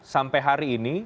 sampai hari ini